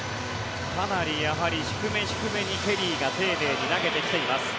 かなりやはり、低め低めにケリーが丁寧に投げてきています。